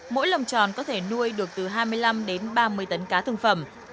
mỗi lồng tròn có thể nuôi được từ hai mươi năm đến ba mươi tấn cá thương phẩm